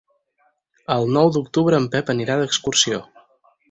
El nou d'octubre en Pep anirà d'excursió.